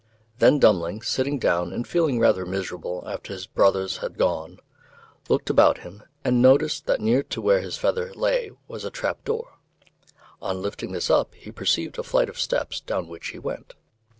Then Dummling, sitting down and feeling rather miserable after his brothers had gone, looked about him, and noticed that near to where his feather lay was a trap door. On lifting this up he perceived a flight of steps, down which he went.